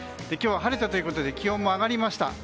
今日は晴れたということで気温も上がりました。